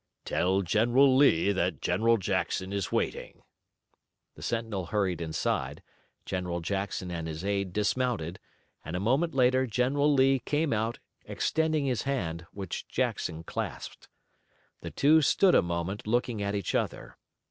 "Tell General Lee that General Jackson is waiting." The sentinel hurried inside, General Jackson and his aide dismounted, and a moment later General Lee came out, extending his hand, which Jackson clasped. The two stood a moment looking at each other.